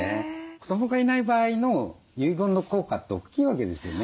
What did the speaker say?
子どもがいない場合の遺言の効果って大きいわけですよね？